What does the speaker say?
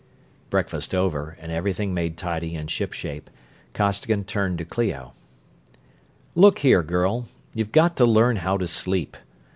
Breakfast over and everything made tidy and shipshape, Costigan turned to Clio. "Look here, girl; you've got to learn how to sleep.